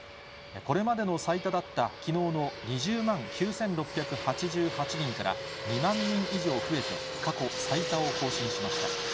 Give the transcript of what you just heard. これまでの最多だったきのうの２０万９６８８人から２万人以上増えて、過去最多を更新しました。